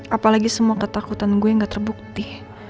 apalagi semua ketakutan gue gak terbukti